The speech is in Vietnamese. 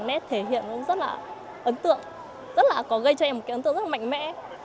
nét thể hiện cũng rất là ấn tượng rất là có gây cho em một cái ấn tượng rất là mạnh mẽ